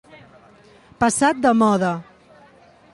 Passat de moda.